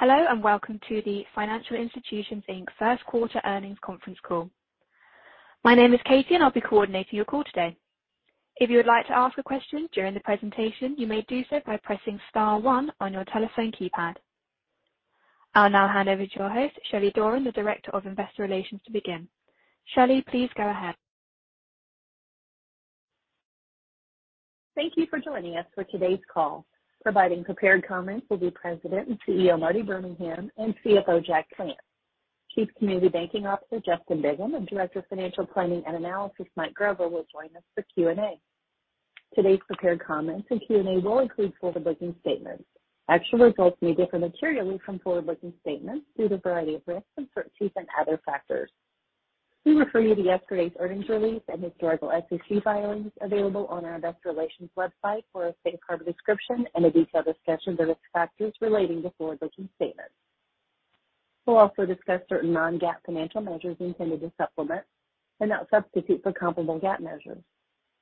Hello, and welcome to the Financial Institutions, Inc. first quarter earnings conference call. My name is Katie, and I'll be coordinating your call today. If you would like to ask a question during the presentation, you may do so by pressing star one on your telephone keypad. I'll now hand over to your host, Shelley Doran, the Director of Investor Relations, to begin. Shelley, please go ahead. Thank you for joining us for today's call. Providing prepared comments will be President and CEO, Marty Birmingham, and CFO, Jack Plants. Chief Community Banking Officer, Justin Bigham, and Director of Financial Planning and Analysis, Mike Grover, will join us for Q&A. Today's prepared comments and Q&A will include forward-looking statements. Actual results may differ materially from forward-looking statements due to a variety of risks, uncertainties and other factors. We refer you to yesterday's earnings release and historical SEC filings available on our investor relations website for a safe harbor description and a detailed discussion of the risk factors relating to forward-looking statements. We'll also discuss certain non-GAAP financial measures intended to supplement and not substitute for comparable GAAP measures.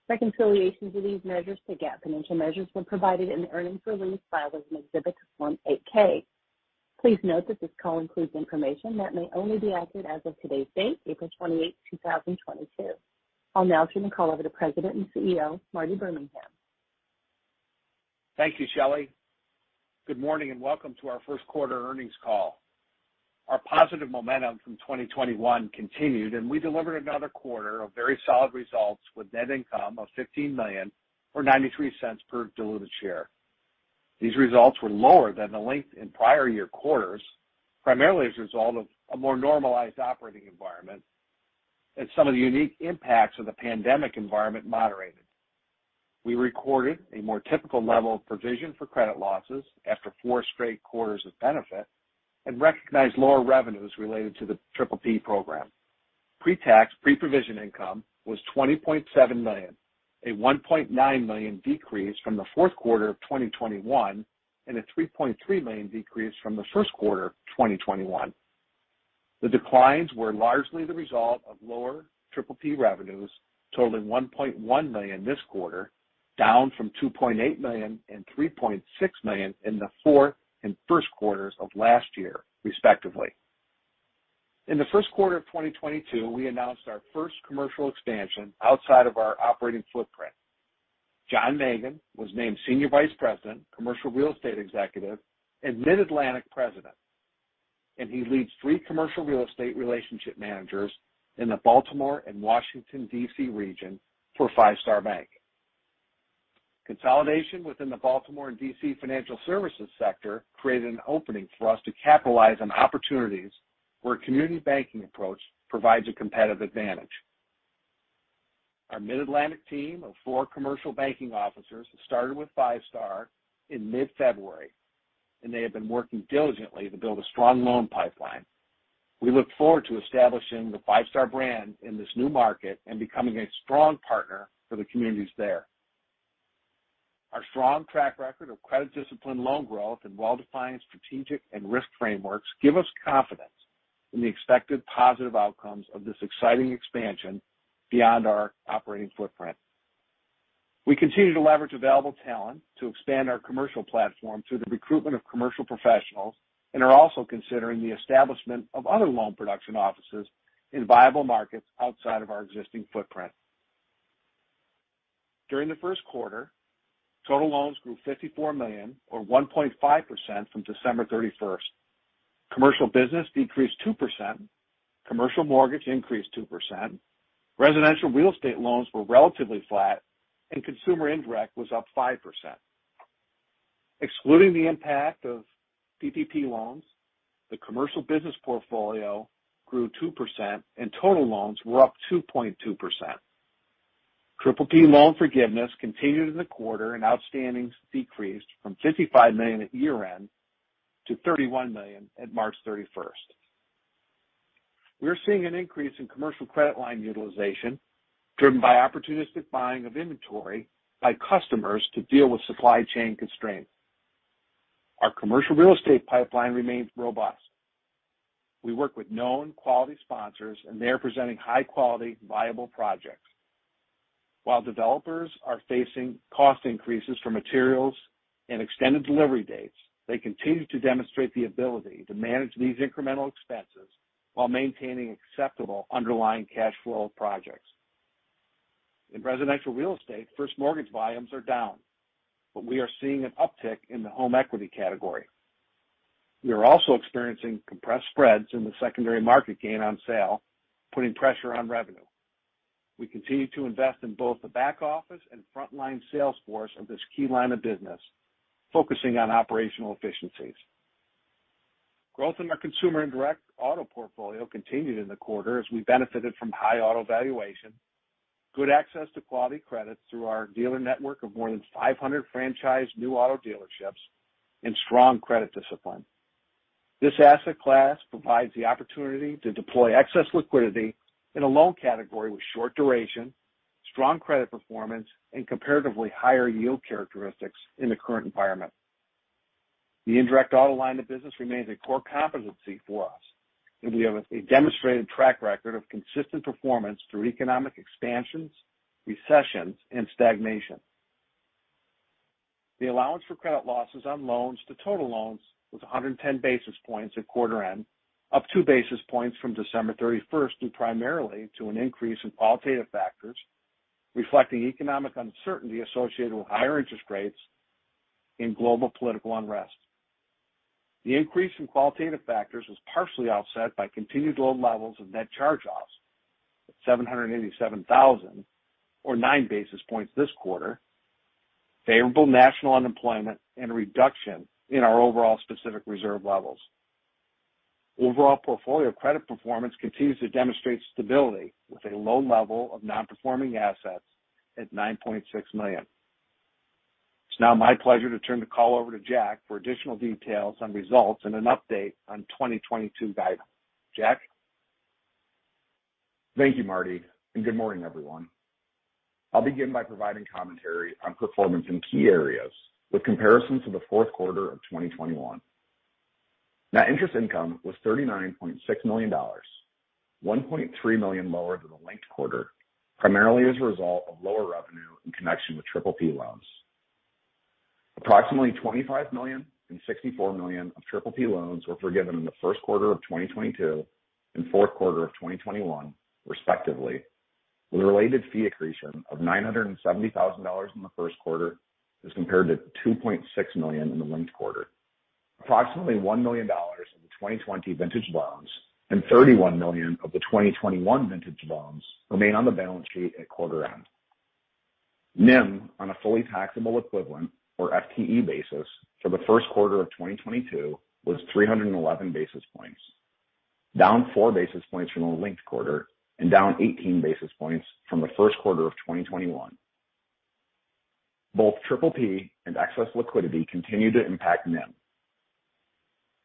Reconciliations of these measures to GAAP financial measures were provided in the earnings release filed as an Exhibit to Form 8-K. Please note that this call includes information that may only be accurate as of today's date, April 28, 2022. I'll now turn the call over to President and CEO, Marty Birmingham. Thank you, Shelly. Good morning, and welcome to our first quarter earnings call. Our positive momentum from 2021 continued, and we delivered another quarter of very solid results with net income of $15 million or $0.93 per diluted share. These results were lower than the levels in prior year quarters, primarily as a result of a more normalized operating environment and some of the unique impacts of the pandemic environment moderated. We recorded a more typical level of provision for credit losses after four straight quarters of benefit and recognized lower revenues related to the PPP program. Pre-tax, pre-provision income was $20.7 million, a $1.9 million decrease from the fourth quarter of 2021 and a $3.3 million decrease from the first quarter of 2021. The declines were largely the result of lower PPP revenues totaling $1.1 million this quarter, down from $2.8 million and $3.6 million in the fourth and first quarters of last year, respectively. In the first quarter of 2022, we announced our first commercial expansion outside of our operating footprint. John Mangan was named Senior Vice President, Commercial Real Estate Executive and Mid-Atlantic President, and he leads three commercial real estate relationship managers in the Baltimore and Washington, D.C., region for Five Star Bank. Consolidation within the Baltimore and D.C. financial services sector created an opening for us to capitalize on opportunities where a community banking approach provides a competitive advantage. Our Mid-Atlantic team of four commercial banking officers started with Five Star in mid-February, and they have been working diligently to build a strong loan pipeline. We look forward to establishing the Five Star brand in this new market and becoming a strong partner for the communities there. Our strong track record of credit discipline, loan growth, and well-defined strategic and risk frameworks give us confidence in the expected positive outcomes of this exciting expansion beyond our operating footprint. We continue to leverage available talent to expand our commercial platform through the recruitment of commercial professionals and are also considering the establishment of other loan production offices in viable markets outside of our existing footprint. During the first quarter, total loans grew $54 million or 1.5% from December 31st. Commercial business decreased 2%, commercial mortgage increased 2%, residential real estate loans were relatively flat, and consumer indirect was up 5%. Excluding the impact of PPP loans, the commercial business portfolio grew 2% and total loans were up 2.2%. PPP loan forgiveness continued in the quarter, and outstandings decreased from $55 million at year-end to $31 million at March 31st. We're seeing an increase in commercial credit line utilization driven by opportunistic buying of inventory by customers to deal with supply chain constraints. Our commercial real estate pipeline remains robust. We work with known quality sponsors and they are presenting high quality, viable projects. While developers are facing cost increases for materials and extended delivery dates, they continue to demonstrate the ability to manage these incremental expenses while maintaining acceptable underlying cash flow projects. In residential real estate, first mortgage volumes are down, but we are seeing an uptick in the home equity category. We are also experiencing compressed spreads in the secondary market gain on sale, putting pressure on revenue. We continue to invest in both the back office and frontline sales force of this key line of business, focusing on operational efficiencies. Growth in our consumer indirect auto portfolio continued in the quarter as we benefited from high auto valuation, good access to quality credits through our dealer network of more than 500 franchised new auto dealerships and strong credit discipline. This asset class provides the opportunity to deploy excess liquidity in a loan category with short duration, strong credit performance and comparatively higher yield characteristics in the current environment. The indirect auto line of business remains a core competency for us. We have a demonstrated track record of consistent performance through economic expansions, recessions, and stagnation. The allowance for credit losses on loans to total loans was 110 bps at quarter end, up two bps from December 31st, due primarily to an increase in qualitative factors reflecting economic uncertainty associated with higher interest rates in global political unrest. The increase in qualitative factors was partially offset by continued low levels of net charge-offs at $787,000, or nine bps this quarter, favorable national unemployment and reduction in our overall specific reserve levels. Overall portfolio credit performance continues to demonstrate stability with a low level of non-performing assets at $9.6 million. It's now my pleasure to turn the call over to Jack for additional details on results and an update on 2022 guidance. Jack? Thank you, Marty, and good morning, everyone. I'll begin by providing commentary on performance in key areas with comparison to the fourth quarter of 2021. Net interest income was $39.6 million, $1.3 million lower than the linked quarter, primarily as a result of lower revenue in connection with PPP loans. Approximately $25 million and $64 million of PPP loans were forgiven in the first quarter of 2022 and fourth quarter of 2021, respectively, with a related fee accretion of $970,000 in the first quarter as compared to $2.6 million in the linked quarter. Approximately $1 million of the 2020 vintage loans and $31 million of the 2021 vintage loans remain on the balance sheet at quarter end. NIM on a fully taxable equivalent or FTE basis for the first quarter of 2022 was 311 bps, down four bps from the linked quarter and down 18 bps from the first quarter of 2021. Both PPP and excess liquidity continue to impact NIM.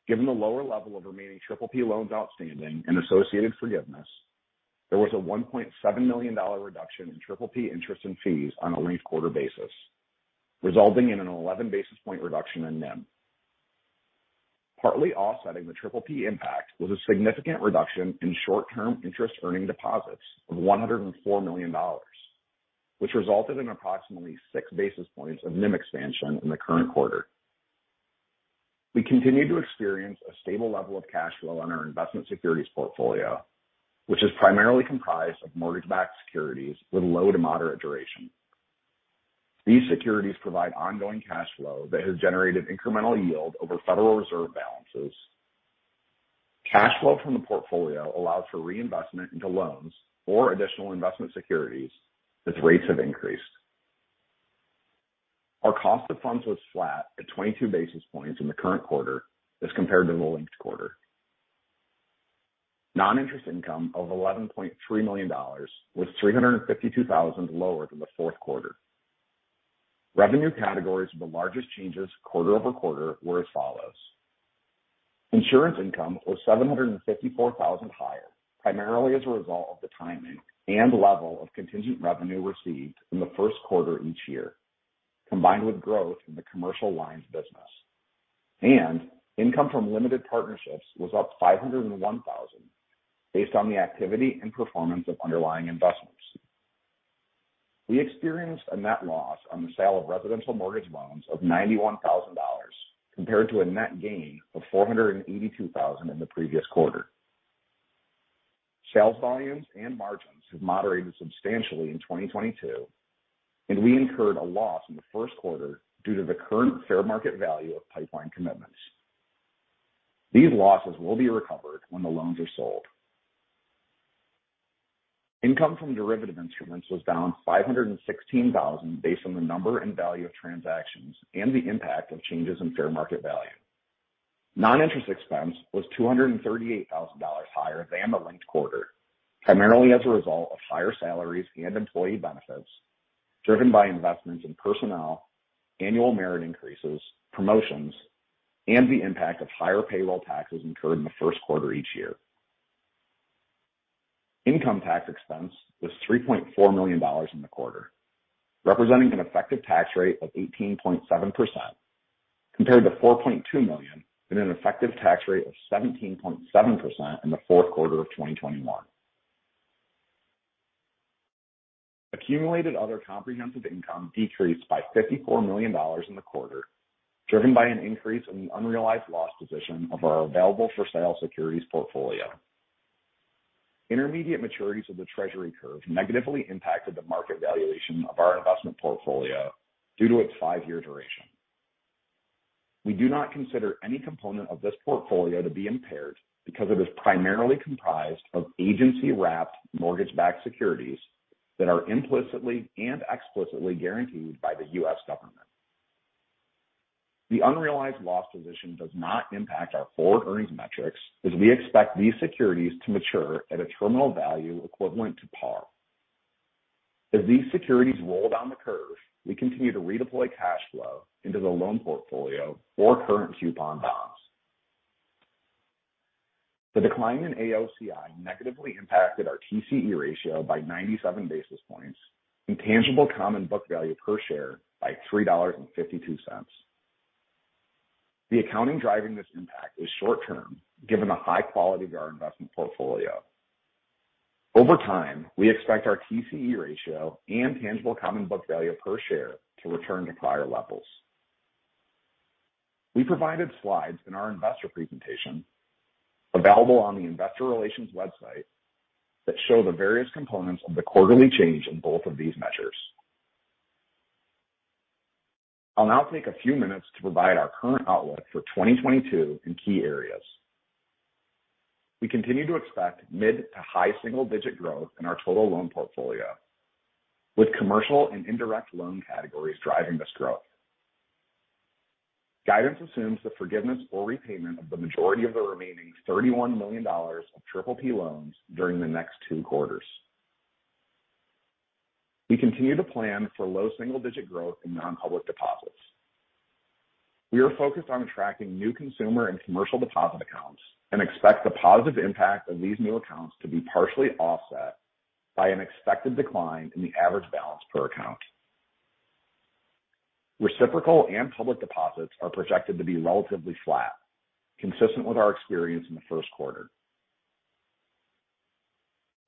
Given the lower level of remaining PPP loans outstanding and associated forgiveness, there was a $1.7 million reduction in PPP interest and fees on a linked quarter basis, resulting in an 11 bps reduction in NIM. Partly offsetting the PPP impact was a significant reduction in short-term interest earning deposits of $104 million, which resulted in approximately six bps of NIM expansion in the current quarter. We continue to experience a stable level of cash flow on our investment securities portfolio, which is primarily comprised of mortgage-backed securities with low to moderate duration. These securities provide ongoing cash flow that has generated incremental yield over Federal Reserve balances. Cash flow from the portfolio allows for reinvestment into loans or additional investment securities as rates have increased. Our cost of funds was flat at 22 bps in the current quarter as compared to the linked quarter. Non-interest income of $11.3 million was $352,000 lower than the fourth quarter. Revenue categories with the largest changes quarter over quarter were as follows. Insurance income was $754,000 higher, primarily as a result of the timing and level of contingent revenue received in the first quarter each year, combined with growth in the commercial lines business. Income from limited partnerships was up $501,000 based on the activity and performance of underlying investments. We experienced a net loss on the sale of residential mortgage loans of $91,000 compared to a net gain of $482,000 in the previous quarter. Sales volumes and margins have moderated substantially in 2022, and we incurred a loss in the first quarter due to the current fair market value of pipeline commitments. These losses will be recovered when the loans are sold. Income from derivative instruments was down $516,000 based on the number and value of transactions and the impact of changes in fair market value. Non-interest expense was $238 thousand higher than the linked quarter, primarily as a result of higher salaries and employee benefits driven by investments in personnel, annual merit increases, promotions, and the impact of higher payroll taxes incurred in the first quarter each year. Income tax expense was $3.4 million in the quarter, representing an effective tax rate of 18.7% compared to $4.2 million and an effective tax rate of 17.7% in the fourth quarter of 2021. Accumulated other comprehensive income decreased by $54 million in the quarter, driven by an increase in the unrealized loss position of our available for sale securities portfolio. Intermediate maturities of the Treasury curve negatively impacted the market valuation of our investment portfolio due to its five-year duration. We do not consider any component of this portfolio to be impaired because it is primarily comprised of agency-wrapped mortgage-backed securities that are implicitly and explicitly guaranteed by the U.S. government. The unrealized loss position does not impact our forward earnings metrics as we expect these securities to mature at a terminal value equivalent to par. As these securities roll down the curve, we continue to redeploy cash flow into the loan portfolio or current coupon bonds. The decline in AOCI negatively impacted our TCE ratio by 97 bps and tangible common book value per share by $3.52. The accounting driving this impact is short-term, given the high quality of our investment portfolio. Over time, we expect our TCE ratio and tangible common book value per share to return to prior levels. We provided slides in our investor presentation available on the investor relations website that show the various components of the quarterly change in both of these measures. I'll now take a few minutes to provide our current outlook for 2022 in key areas. We continue to expect mid- to high single-digit % growth in our total loan portfolio, with commercial and indirect loan categories driving this growth. Guidance assumes the forgiveness or repayment of the majority of the remaining $31 million of PPP loans during the next two quarters. We continue to plan for low single-digit % growth in non-public deposits. We are focused on attracting new consumer and commercial deposit accounts and expect the positive impact of these new accounts to be partially offset by an expected decline in the average balance per account. Reciprocal and public deposits are projected to be relatively flat, consistent with our experience in the first quarter.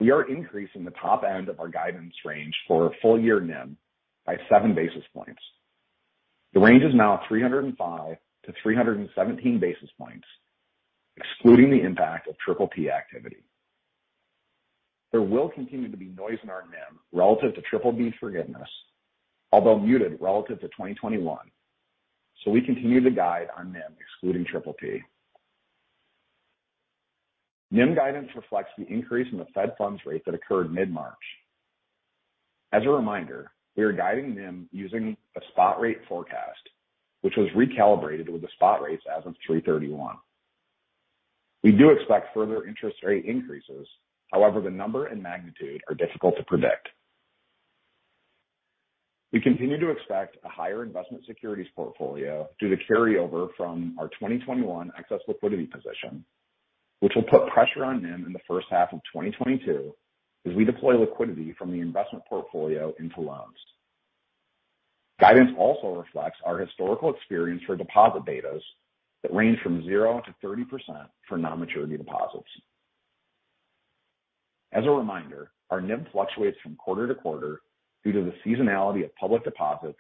We are increasing the top end of our guidance range for full-year NIM by seven bps. The range is now 305-317 bps, excluding the impact of PPP activity. There will continue to be noise in our NIM relative to PPP forgiveness, although muted relative to 2021. We continue to guide on NIM excluding PPP. NIM guidance reflects the increase in the Fed funds rate that occurred mid-March. As a reminder, we are guiding NIM using a spot rate forecast, which was recalibrated with the spot rates as of 3/31. We do expect further interest rate increases. However, the number and magnitude are difficult to predict. We continue to expect a higher investment securities portfolio due to carryover from our 2021 excess liquidity position, which will put pressure on NIM in the first half of 2022 as we deploy liquidity from the investment portfolio into loans. Guidance also reflects our historical experience for deposit betas that range from 0%-30% for non-maturity deposits. As a reminder, our NIM fluctuates from quarter to quarter due to the seasonality of public deposits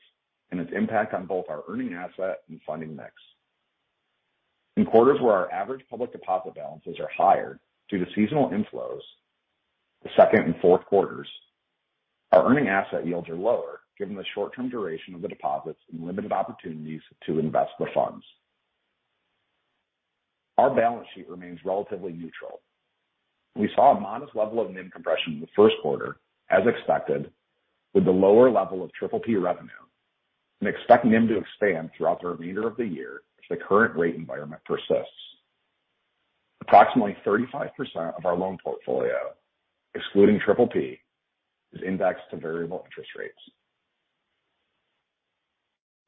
and its impact on both our earning asset and funding mix. In quarters where our average public deposit balances are higher due to seasonal inflows, the second and fourth quarters, our earning asset yields are lower given the short-term duration of the deposits and limited opportunities to invest the funds. Our balance sheet remains relatively neutral. We saw a modest level of NIM compression in the first quarter, as expected, with the lower level of PPP revenue, and expect NIM to expand throughout the remainder of the year if the current rate environment persists. Approximately 35% of our loan portfolio, excluding PPP, is indexed to variable interest rates.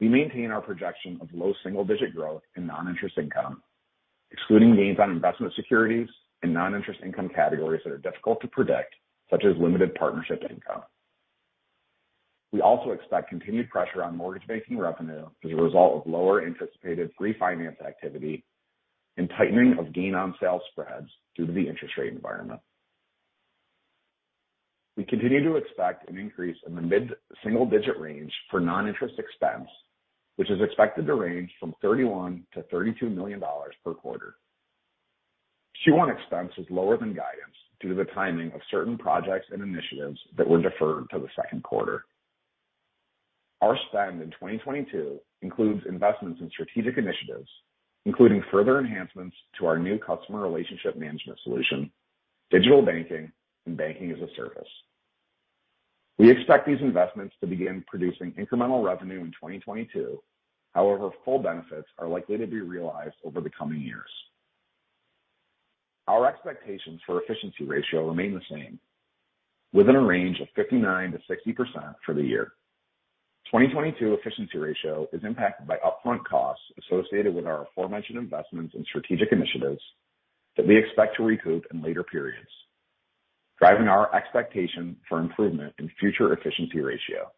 We maintain our projection of low single-digit growth in non-interest income, excluding gains on investment securities and non-interest income categories that are difficult to predict, such as limited partnership income. We also expect continued pressure on mortgage banking revenue as a result of lower anticipated refinance activity and tightening of gain-on-sale spreads due to the interest rate environment. We continue to expect an increase in the mid-single-digit range for non-interest expense, which is expected to range from $31 million-$32 million per quarter. Q1 expense is lower than guidance due to the timing of certain projects and initiatives that were deferred to the second quarter. Our spend in 2022 includes investments in strategic initiatives, including further enhancements to our new customer relationship management solution, digital banking, and banking-as-a-service. We expect these investments to begin producing incremental revenue in 2022. However, full benefits are likely to be realized over the coming years. Our expectations for efficiency ratio remain the same within a range of 59%-60% for the year. 2022 efficiency ratio is impacted by upfront costs associated with our aforementioned investments in strategic initiatives that we expect to recoup in later periods, driving our expectation for improvement in future efficiency ratio.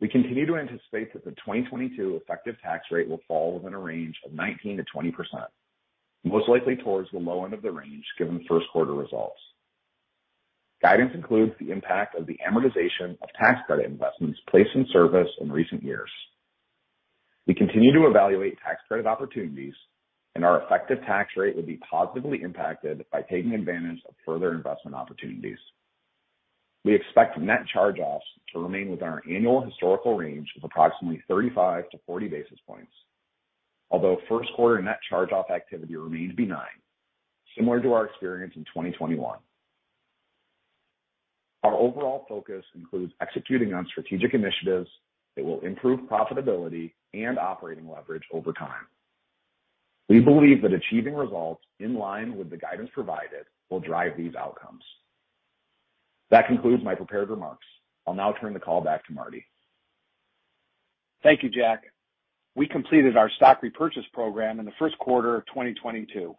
We continue to anticipate that the 2022 effective tax rate will fall within a range of 19%-20%, most likely towards the low end of the range given first quarter results. Guidance includes the impact of the amortization of tax credit investments placed in service in recent years. We continue to evaluate tax credit opportunities and our effective tax rate would be positively impacted by taking advantage of further investment opportunities. We expect net charge-offs to remain within our annual historical range of approximately 35-40 bps. Although first quarter net charge-offs activity remains benign, similar to our experience in 2021. Our overall focus includes executing on strategic initiatives that will improve profitability and operating leverage over time. We believe that achieving results in line with the guidance provided will drive these outcomes. That concludes my prepared remarks. I'll now turn the call back to Marty. Thank you, Jack. We completed our stock repurchase program in the first quarter of 2022.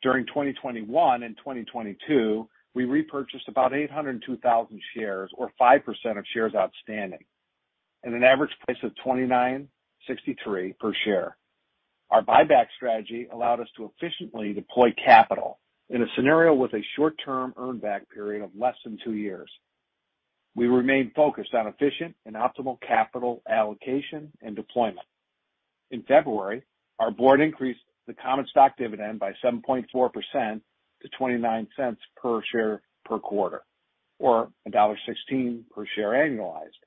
During 2021 and 2022, we repurchased about 802,000 shares or 5% of shares outstanding at an average price of $29.63 per share. Our buyback strategy allowed us to efficiently deploy capital in a scenario with a short-term earn back period of less than two years. We remain focused on efficient and optimal capital allocation and deployment. In February, our board increased the common stock dividend by 7.4% to $0.29 per share per quarter, or $1.16 per share annualized.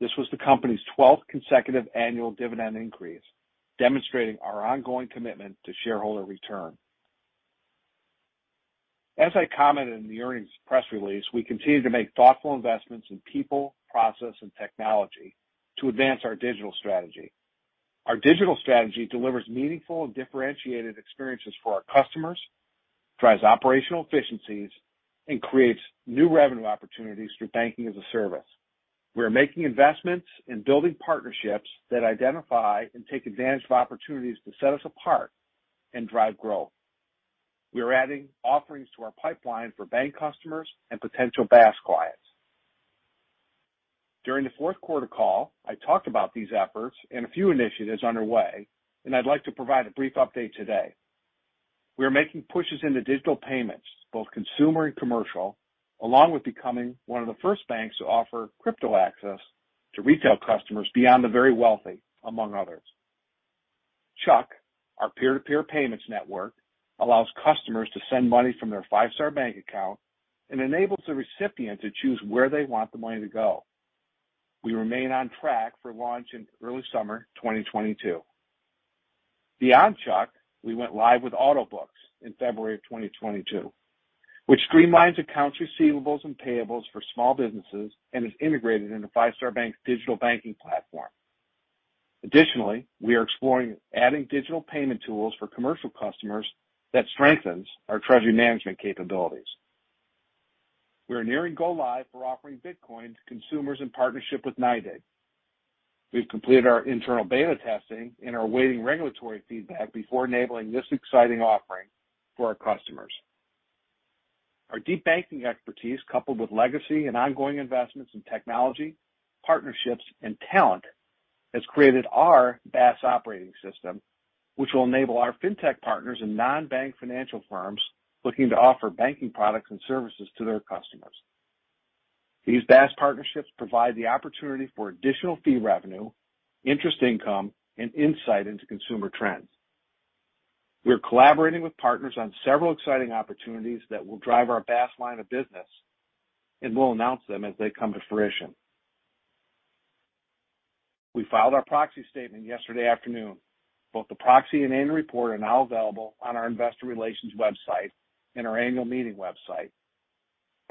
This was the company's 12th consecutive annual dividend increase, demonstrating our ongoing commitment to shareholder return. As I commented in the earnings press release, we continue to make thoughtful investments in people, process, and technology to advance our digital strategy. Our digital strategy delivers meaningful and differentiated experiences for our customers, drives operational efficiencies, and creates new revenue opportunities through banking as a service. We are making investments in building partnerships that identify and take advantage of opportunities to set us apart and drive growth. We are adding offerings to our pipeline for bank customers and potential BaaS clients. During the fourth quarter call, I talked about these efforts and a few initiatives underway, and I'd like to provide a brief update today. We are making pushes into digital payments, both consumer and commercial, along with becoming one of the first banks to offer crypto access to retail customers beyond the very wealthy, among others. CHUCK, our peer-to-peer payments network, allows customers to send money from their Five Star Bank account and enables the recipient to choose where they want the money to go. We remain on track for launch in early summer 2022. Beyond CHUCKk, we went live with Autobooks in February of 2022, which streamlines accounts receivables and payables for small businesses and is integrated into Five Star Bank's digital banking platform. Additionally, we are exploring adding digital payment tools for commercial customers that strengthens our treasury management capabilities. We are nearing go live for offering Bitcoin to consumers in partnership with NYDIG. We've completed our internal beta testing and are awaiting regulatory feedback before enabling this exciting offering for our customers. Our deep banking expertise, coupled with legacy and ongoing investments in technology, partnerships, and talent, has created our BaaS operating system, which will enable our fintech partners and non-bank financial firms looking to offer banking products and services to their customers. These BaaS partnerships provide the opportunity for additional fee revenue, interest income, and insight into consumer trends. We are collaborating with partners on several exciting opportunities that will drive our BaaS line of business, and we'll announce them as they come to fruition. We filed our proxy statement yesterday afternoon. Both the proxy and annual report are now available on our investor relations website and our annual meeting website,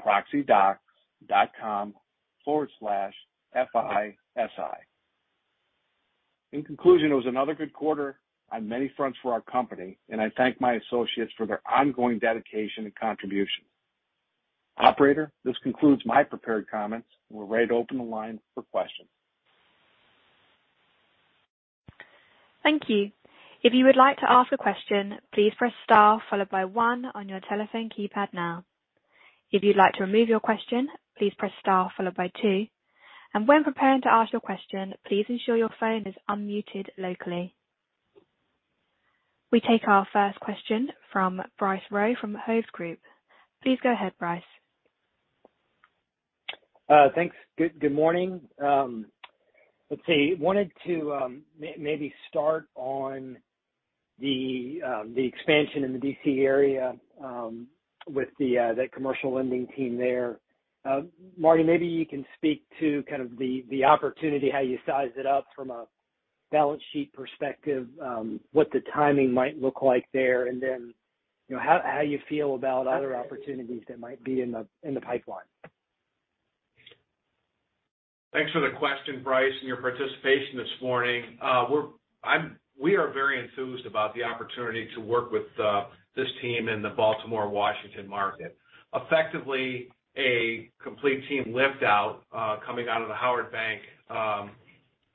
proxydocs.com/FISI. In conclusion, it was another good quarter on many fronts for our company, and I thank my associates for their ongoing dedication and contribution. Operator, this concludes my prepared comments. We're ready to open the line for questions. Thank you. If you would like to ask a question, please press star followed by one on your telephone keypad now. If you'd like to remove your question, please press star followed by two. When preparing to ask your question, please ensure your phone is unmuted locally. We take our first question from Bryce Rowe from Hovde Group. Please go ahead, Bryce. Thanks. Good morning. Let's see, wanted to maybe start on the expansion in the D.C. area with the commercial lending team there. Marty, maybe you can speak to kind of the opportunity, how you size it up from a balance sheet perspective, what the timing might look like there, and then, you know, how you feel about other opportunities that might be in the pipeline. Thanks for the question, Bryce, and your participation this morning. We are very enthused about the opportunity to work with this team in the Baltimore-Washington market. Effectively, a complete team lift out coming out of the Howard Bank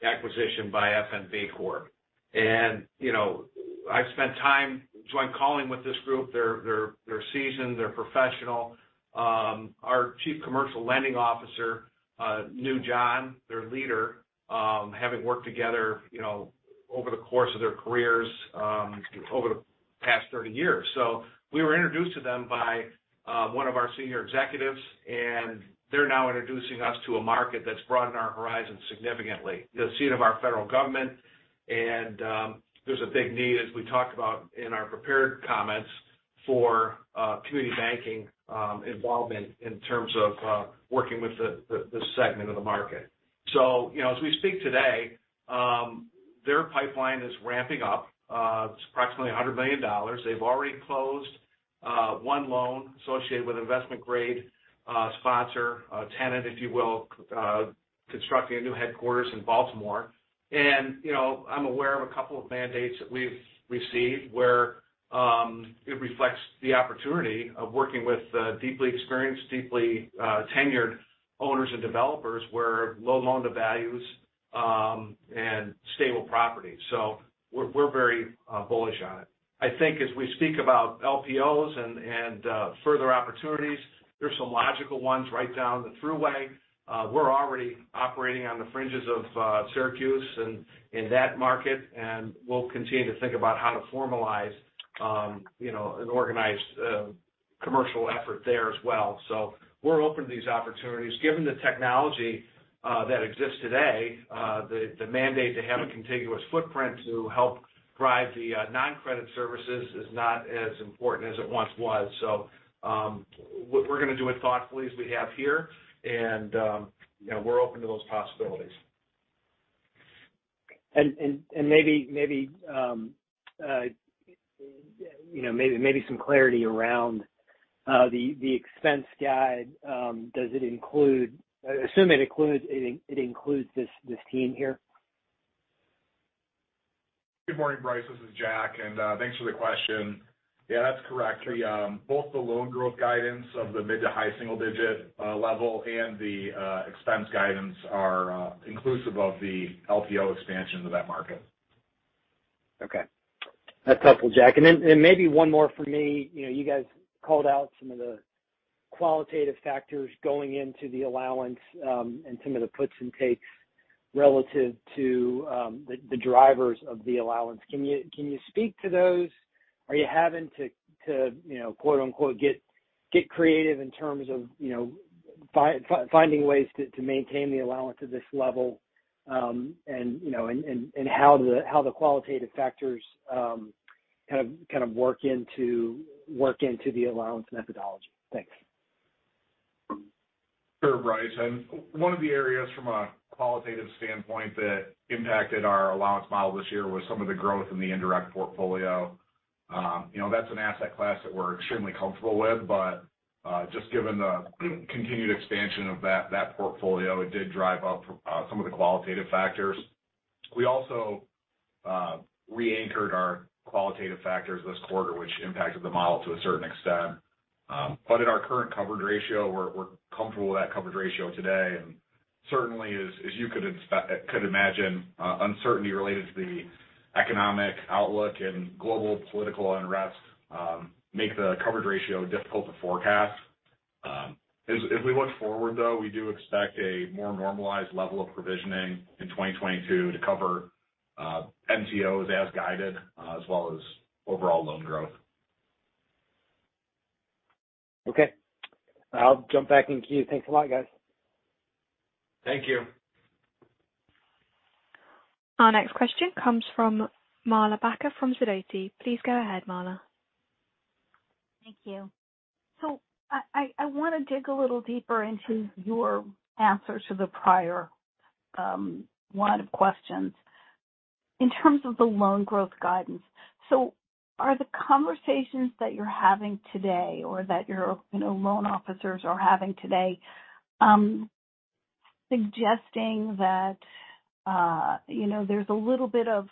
acquisition by F.N.B. Corporation. You know, I've spent time joint calling with this group. They're seasoned, they're professional. Our chief commercial lending officer knew John, their leader, having worked together, you know, over the course of their careers over the past 30 years. We were introduced to them by one of our senior executives, and they're now introducing us to a market that's broadened our horizons significantly. The seat of our federal government and there's a big need, as we talked about in our prepared comments, for community banking involvement in terms of working with this segment of the market. You know, as we speak today, their pipeline is ramping up. It's approximately $100 million. They've already closed one loan associated with investment grade sponsor tenant, if you will, constructing a new headquarters in Baltimore. You know, I'm aware of a couple of mandates that we've received where it reflects the opportunity of working with deeply experienced, tenured owners and developers where low loan to values Stable properties. We're very bullish on it. I think as we speak about LPOs and further opportunities, there's some logical ones right down the Thruway. We're already operating on the fringes of Syracuse and in that market, and we'll continue to think about how to formalize you know, an organized commercial effort there as well. We're open to these opportunities. Given the technology that exists today, the mandate to have a contiguous footprint to help drive the non-credit services is not as important as it once was. We're gonna do it thoughtfully as we have here. You know, we're open to those possibilities. You know, maybe some clarity around the expense guidance. Does it include? I assume it includes this team here. Good morning, Bryce. This is Jack. Thanks for the question. Yeah, that's correct. The both the loan growth guidance of the mid to high single digit level and the expense guidance are inclusive of the LPO expansion into that market. Okay. That's helpful, Jack. Then, maybe one more for me. You know, you guys called out some of the qualitative factors going into the allowance, and some of the puts and takes relative to, the drivers of the allowance. Can you speak to those? Are you having to, you know, quote-unquote, "get creative" in terms of, you know, finding ways to maintain the allowance at this level? You know, how the qualitative factors kind of work into the allowance methodology? Thanks. Sure, Bryce. One of the areas from a qualitative standpoint that impacted our allowance model this year was some of the growth in the indirect portfolio. You know, that's an asset class that we're extremely comfortable with, but just given the continued expansion of that portfolio, it did drive up some of the qualitative factors. We also re-anchored our qualitative factors this quarter, which impacted the model to a certain extent. At our current coverage ratio, we're comfortable with that coverage ratio today. Certainly as you could imagine, uncertainty related to the economic outlook and global political unrest make the coverage ratio difficult to forecast. As we look forward, though, we do expect a more normalized level of provisioning in 2022 to cover NCOs as guided, as well as overall loan growth. Okay. I'll jump back in queue. Thanks a lot, guys. Thank you. Our next question comes from Marla Backer from Sidoti. Please go ahead, Marla. Thank you. I wanna dig a little deeper into your answer to the prior line of questions. In terms of the loan growth guidance, are the conversations that you're having today or that your, you know, loan officers are having today, suggesting that, you know, there's a little bit of,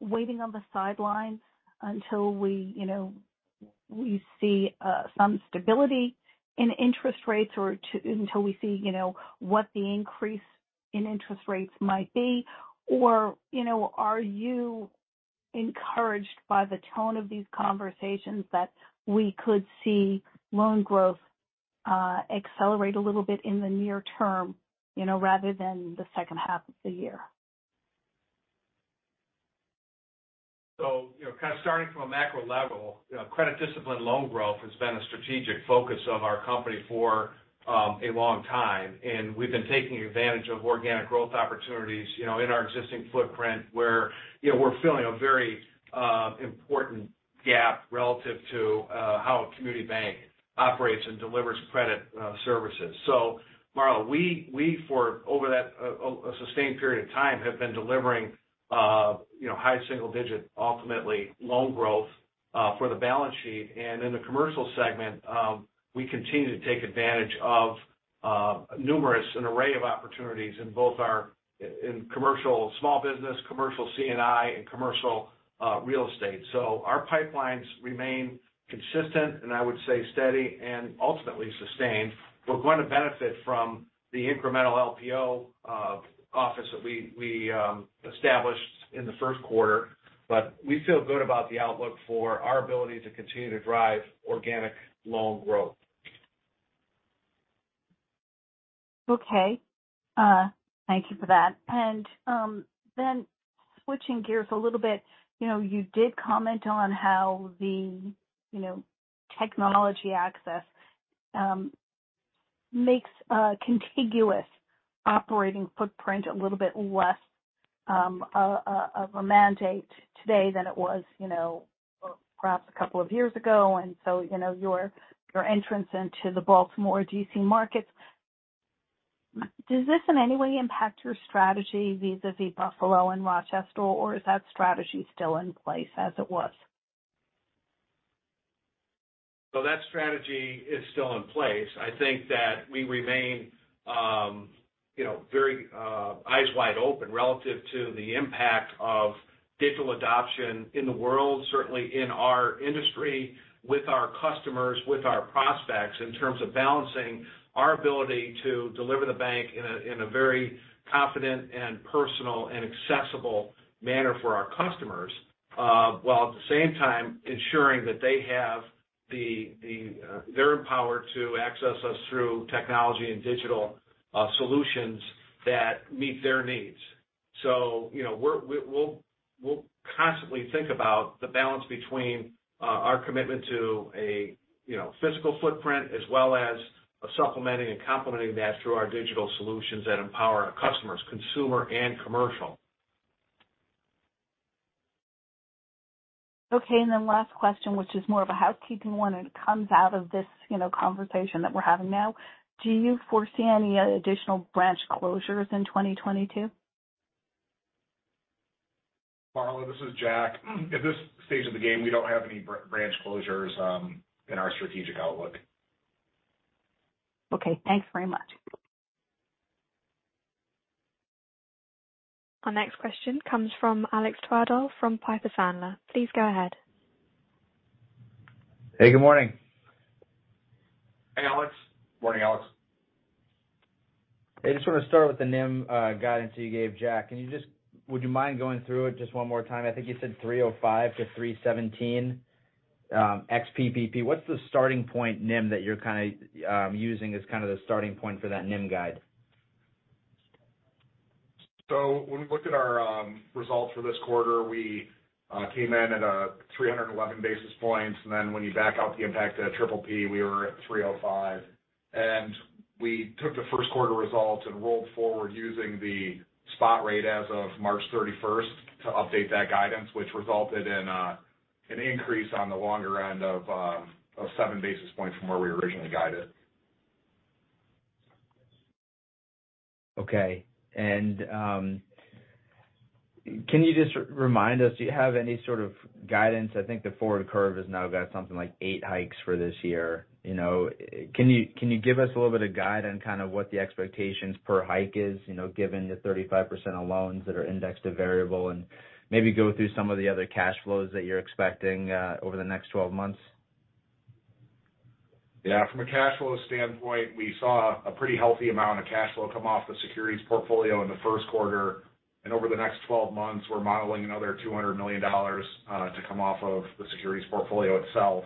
waiting on the sidelines until we, you know, we see, some stability in interest rates or until we see, you know, what the increase in interest rates might be? Or, you know, are you encouraged by the tone of these conversations that we could see loan growth, accelerate a little bit in the near term, you know, rather than the second half of the year? You know, kind of starting from a macro level, you know, credit discipline loan growth has been a strategic focus of our company for a long time, and we've been taking advantage of organic growth opportunities, you know, in our existing footprint where, you know, we're filling a very important gap relative to how a community bank operates and delivers credit services. Marla, for over a sustained period of time, we have been delivering, you know, high single digit ultimately loan growth for the balance sheet. In the commercial segment, we continue to take advantage of numerous an array of opportunities in both our commercial small business, commercial C&I and commercial real estate. Our pipelines remain consistent and I would say steady and ultimately sustained. We're going to benefit from the incremental LPO office that we established in the first quarter. We feel good about the outlook for our ability to continue to drive organic loan growth. Okay. Thank you for that. Switching gears a little bit, you know, you did comment on how the, you know, technology access makes a contiguous operating footprint a little bit less of a mandate today than it was, you know, perhaps a couple of years ago. You know, your entrance into the Baltimore D.C. markets. Does this in any way impact your strategy vis-à-vis Buffalo and Rochester, or is that strategy still in place as it was? That strategy is still in place. I think that we remain, you know, very, eyes wide open relative to the impact of digital adoption in the world, certainly in our industry, with our customers, with our prospects, in terms of balancing our ability to deliver the bank in a very confident and personal and accessible manner for our customers, while at the same time ensuring that they have the they're empowered to access us through technology and digital solutions that meet their needs. You know, we'll constantly think about the balance between our commitment to a, you know, physical footprint as well as supplementing and complementing that through our digital solutions that empower our customers, consumer and commercial. Okay. Last question, which is more of a housekeeping one, and it comes out of this, you know, conversation that we're having now. Do you foresee any, additional branch closures in 2022? Marla, this is Jack. At this stage of the game, we don't have any branch closures in our strategic outlook. Okay. Thanks very much. Our next question comes from Alex Twerdahl from Piper Sandler. Please go ahead. Hey, good morning. Hey, Alex. Morning, Alex. I just want to start with the NIM guidance you gave, Jack. Would you mind going through it just one more time? I think you said 3.05%-3.17%, ex PPP. What's the starting point NIM that you're kind of using as kind of the starting point for that NIM guide? When we looked at our results for this quarter, we came in at 311 bps. When you back out the impact of PPP, we were at 305. We took the first quarter results and rolled forward using the spot rate as of March 31 st to update that guidance, which resulted in an increase on the longer end of seven bps from where we originally guided. Okay. Can you just remind us, do you have any sort of guidance? I think the forward curve has now got something like eight hikes for this year. You know, can you give us a little bit of guide on kind of what the expectations per hike is, you know, given the 35% of loans that are indexed to variable? And maybe go through some of the other cash flows that you're expecting over the next 12 months. Yeah. From a cash flow standpoint, we saw a pretty healthy amount of cash flow come off the securities portfolio in the first quarter. Over the next 12 months, we're modeling another $200 million to come off of the securities portfolio itself.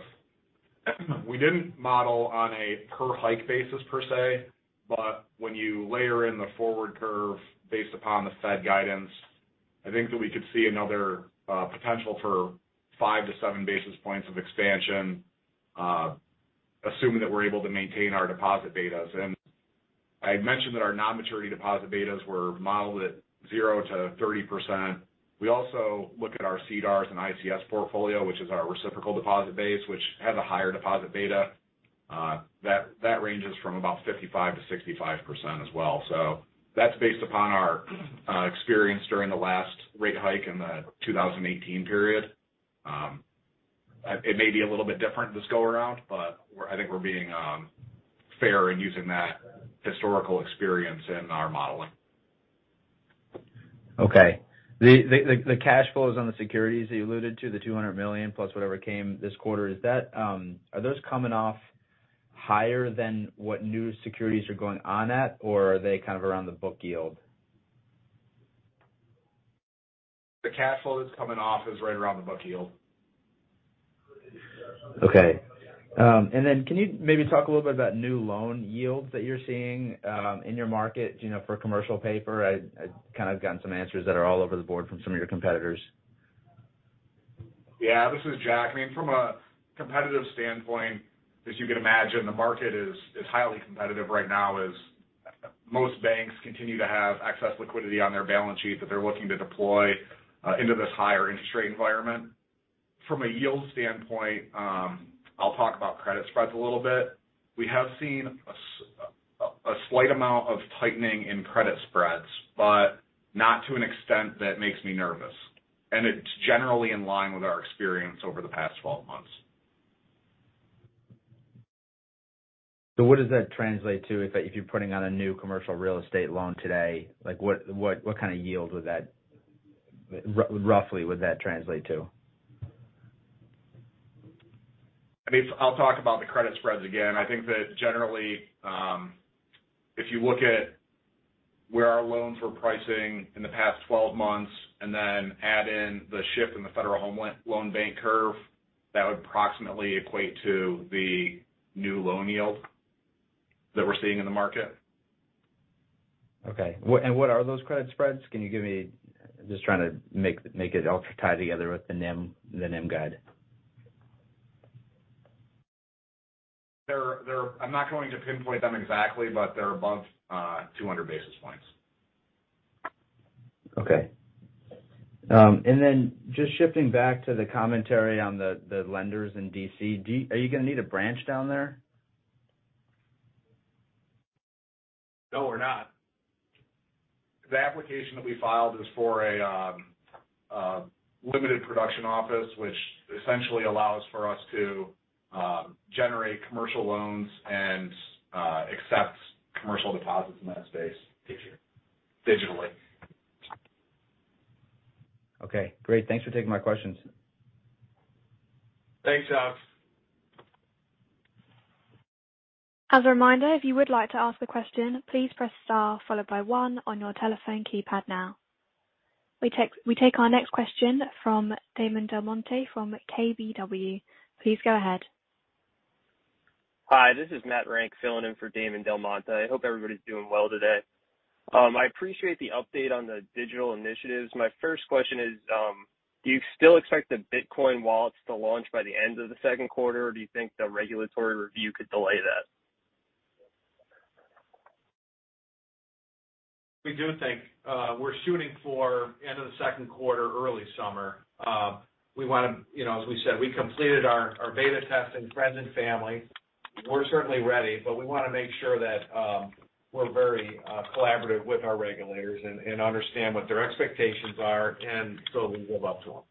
We didn't model on a per hike basis per se, but when you layer in the forward curve based upon the Fed guidance, I think that we could see another potential for five-seven bps of expansion, assuming that we're able to maintain our deposit betas. I'd mentioned that our non-maturity deposit betas were modeled at 0%-30%. We also look at our CDARS and ICS portfolio, which is our reciprocal deposit base, which has a higher deposit beta. That ranges from about 55%-65% as well. That's based upon our experience during the last rate hike in the 2018 period. It may be a little bit different this go around, but I think we're being fair in using that historical experience in our modeling. Okay. The cash flows on the securities that you alluded to, the $200 million plus whatever came this quarter, is that—are those coming off higher than what new securities are going on at, or are they kind of around the book yield? The cash flow that's coming off is right around the book yield. Okay. Can you maybe talk a little bit about new loan yields that you're seeing in your market, you know, for commercial paper? I've kind of gotten some answers that are all over the board from some of your competitors. This is Jack. I mean, from a competitive standpoint, as you can imagine, the market is highly competitive right now as most banks continue to have excess liquidity on their balance sheet that they're looking to deploy into this higher interest rate environment. From a yield standpoint, I'll talk about credit spreads a little bit. We have seen a slight amount of tightening in credit spreads, but not to an extent that makes me nervous. It's generally in line with our experience over the past 12 months. What does that translate to if you're putting on a new commercial real estate loan today? Like, what kind of yield would that roughly translate to? I mean, I'll talk about the credit spreads again. I think that generally, if you look at where our loans were pricing in the past 12 months and then add in the shift in the Federal Home Loan Bank curve, that would approximately equate to the new loan yield that we're seeing in the market. Okay. What are those credit spreads? Can you give me just trying to make it all tie together with the NIM guide. I'm not going to pinpoint them exactly, but they're above 200 bps. Okay. Just shifting back to the commentary on the lenders in D.C. Are you gonna need a branch down there? No, we're not. The application that we filed is for a limited purpose office, which essentially allows for us to generate commercial loans and accept commercial deposits in that space digitally. Okay, great. Thanks for taking my questions. Thanks, Alex. As a reminder, if you would like to ask a question, please press star followed by one on your telephone keypad now. We take our next question from Damon DelMonte from KBW. Please go ahead. Hi, this is Matt Rank filling in for Damon DelMonte. I hope everybody's doing well today. I appreciate the update on the digital initiatives. My first question is, do you still expect the Bitcoin wallets to launch by the end of the second quarter, or do you think the regulatory review could delay that? We do think we're shooting for end of the second quarter, early summer. We wanna, you know, as we said, we completed our beta test in friends and family. We're certainly ready, but we wanna make sure that we're very collaborative with our regulators and understand what their expectations are, and so we live up to them.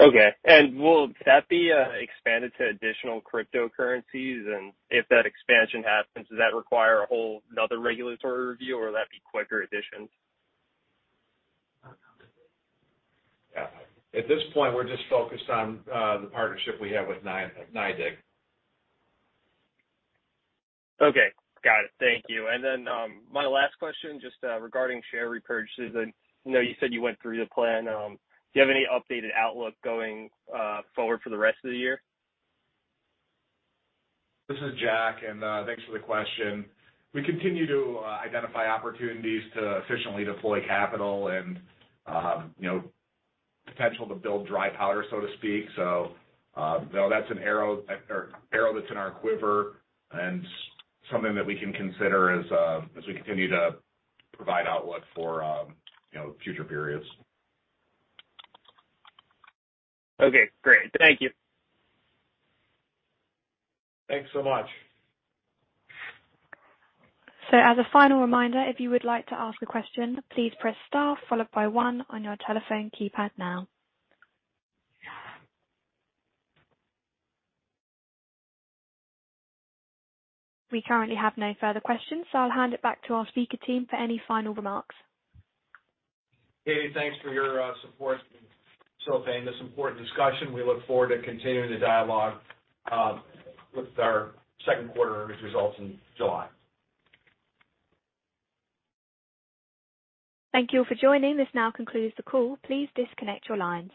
Okay. Will that be expanded to additional cryptocurrencies? If that expansion happens, does that require a whole another regulatory review, or would that be quicker additions? At this point, we're just focused on the partnership we have with NYDIG. Okay. Got it. Thank you. My last question just regarding share repurchases. I know you said you went through the plan. Do you have any updated outlook going forward for the rest of the year? This is Jack, and thanks for the question. We continue to identify opportunities to efficiently deploy capital and, you know, potential to build dry powder, so to speak. No, that's an arrow that's in our quiver and something that we can consider as we continue to provide outlook for, you know, future periods. Okay, great. Thank you. Thanks so much. As a final reminder, if you would like to ask a question, please press star followed by one on your telephone keypad now. We currently have no further questions, so I'll hand it back to our speaker team for any final remarks. Katie, thanks for your support in facilitating this important discussion. We look forward to continuing the dialogue, with our second quarter earnings results in July. Thank you all for joining. This now concludes the call. Please disconnect your lines.